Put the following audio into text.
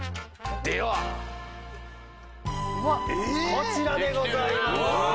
こちらでございます。